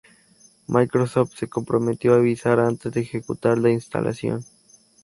Microsoft se comprometió a avisar antes de ejecutar la instalación.